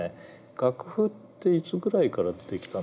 楽譜っていつぐらいから出来たんですかね。